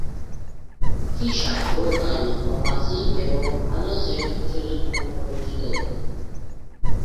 কি-সাঙ্গ তার লম্বা পাসিং এবং ভালো সেট পিচের জন্য পরিচিত।